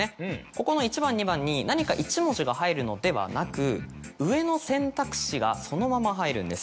ここの１番２番に何か１文字が入るのではなく上の選択肢がそのまま入るんです。